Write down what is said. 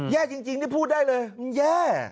แย่จริงนี่พูดได้เลยมันแย่